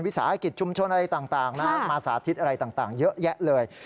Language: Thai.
สาหกิจชุมชนอะไรต่างนะมาสาธิตอะไรต่างเยอะแยะเลย